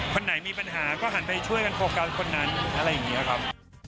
คนไหนมีปัญหาก็หันไปช่วยกันโฟกัสคนนั้นอะไรอย่างนี้ครับ